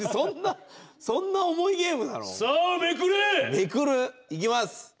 めくるいきます。